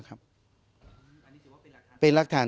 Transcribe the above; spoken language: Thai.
อันนี้คือว่าเป็นรักฐาน